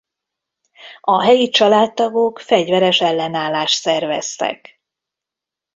A helyi családtagok fegyveres ellenállást szerveztek.